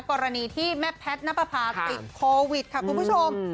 กรณีที่แม่แพทย์นับประพาติดโควิดค่ะคุณผู้ชม